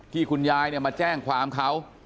คุณยายมาแจ้งความเขา